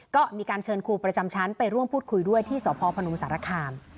ก็มีการเชิญครูประจำชั้นไปร่วมพูดคุยด้วยที่สพพนมสารคาม